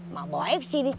mak baik sih nih